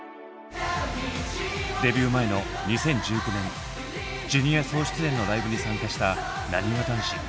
デビュー前の２０１９年ジュニア総出演のライブに参加したなにわ男子。